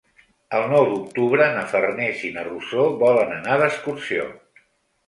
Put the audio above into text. El nou d'octubre na Farners i na Rosó volen anar d'excursió.